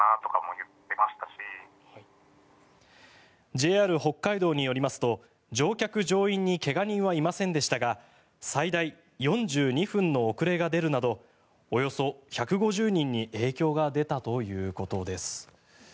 ＪＲ北海道によりますと乗客・乗員に怪我人はいませんでしたが最大４２分の遅れが出るなどおよそ１５０人に影響が出たということです。